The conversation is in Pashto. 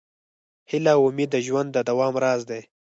هیله او امید د ژوند د دوام راز دی.